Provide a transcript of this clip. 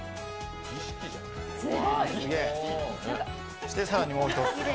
そして、更にもう一つ。